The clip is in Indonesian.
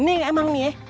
nih emang nih ya